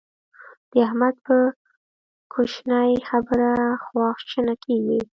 د احمد په کوشنۍ خبره خوا شنه کېږي.